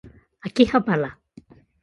秋葉原